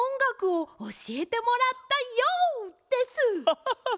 ハハハッ！